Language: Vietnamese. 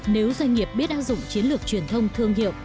nếu doanh nghiệp biết áp dụng chiến lược truyền thông thương hiệu